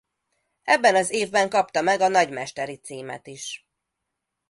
Ebben az évben kapta meg a nagymesteri címet is.